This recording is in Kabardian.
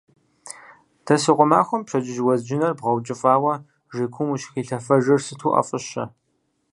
Дэсыгъуэ махуэм пщэдджыжь уэзджынэр бгъуэнкӏыфӏауэ жей куум ущыхилъафэжыр сыту ӏэфӏыщэ.